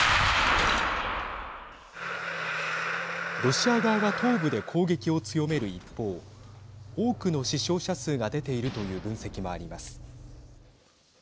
ロシア側が東部で攻撃を強める一方多くの死傷者数が出ているという分析もあります。